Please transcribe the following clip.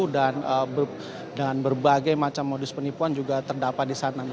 dengan berbagai macam modus penipuan juga terdapat di sana